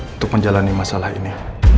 untuk menjalani masalah ini